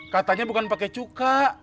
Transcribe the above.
katanya bukan pake cuka